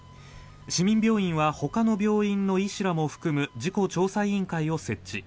市民病院はほかの病院の医師らも含む事故調査委員会を設置。